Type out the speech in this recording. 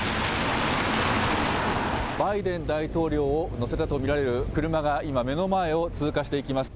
バイデン大統領を乗せたと見られる車が今、目の前を通過していきます。